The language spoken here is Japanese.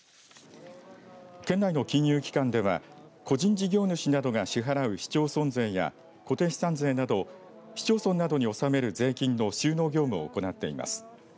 県内の金融機関では個人事業主などが支払う市町村税や固定資産税など市町村などに納める税金の収納業務を行っています。